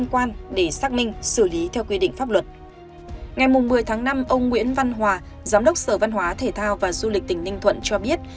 năm ông nguyễn văn hòa giám đốc sở văn hóa thể thao và du lịch tỉnh ninh thuận cho biết